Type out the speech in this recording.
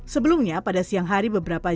sebelumnya pada siang hari beberapa jam